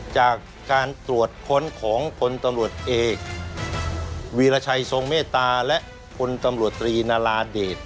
จากการตรวจค้นของพลตำรวจเอกวีรชัยทรงเมตตาและพลตำรวจตรีนาราเดช